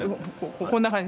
こんな感じ